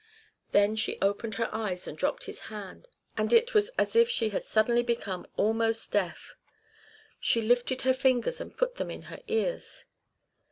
Then she opened her eyes and dropped his hand, and it was as if she had suddenly become almost deaf. She lifted her fingers and put them in her ears.